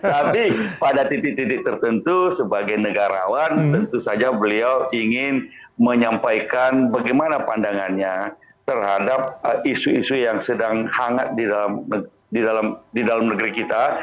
tapi pada titik titik tertentu sebagai negarawan tentu saja beliau ingin menyampaikan bagaimana pandangannya terhadap isu isu yang sedang hangat di dalam negeri kita